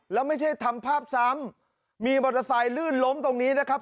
แล้วไม่ใช่ทำภาพซ้ำมีมอเตอร์ไซค์ลื่นล้มตรงนี้นะครับ